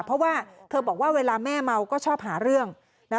เพราะว่าเธอบอกว่าเวลาแม่เมาก็ชอบหาเรื่องนะ